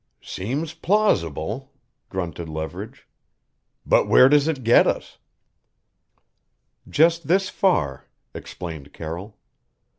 "Seems plausible," grunted Leverage. "But where does it get us?" "Just this far," explained Carroll.